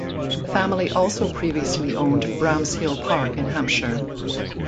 The family also previously owned Bramshill Park in Hampshire.